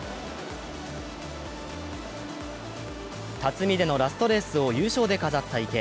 辰巳でのラストレースを優勝で飾った池江。